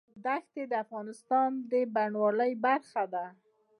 دښتې د افغانستان د بڼوالۍ برخه ده.